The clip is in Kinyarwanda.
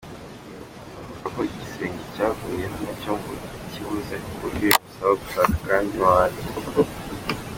Avuga ko igisenge cyavuyeho nacyo ngo yakibuze ku buryo bimusaba gushaka andi mabati.